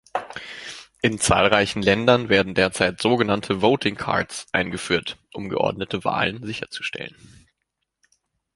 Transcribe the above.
In zahlreichen Ländern werden derzeit sogenannte "Voting Cards" eingeführt, um geordnete Wahlen sicherzustellen.